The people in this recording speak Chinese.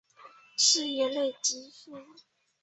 是一类激素。